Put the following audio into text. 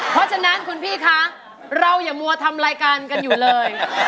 เพราะฉะนั้นคุณพี่คะเราอย่ามัวทำรายการกันอยู่เลย